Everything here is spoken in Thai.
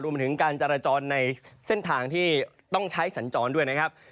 มาถึงการจราจรในเส้นทางที่ต้องใช้สัญจรด้วยนะครับ